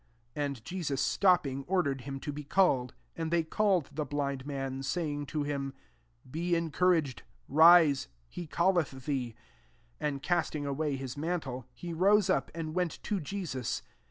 49 And Jesus stopping, or dered him to be called: and they called the blind man, say ing to him, " Be encouraged, rise ; he calleth thee." 50 And castitig away his mantle, he rose up, and went to Jesus.